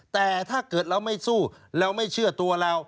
แต่ถ้าเกิดเราไม่สู้เราไม่เชื่อตัวเรา